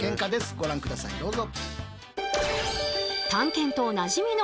ご覧下さいどうぞ。